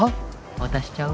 渡しちゃう？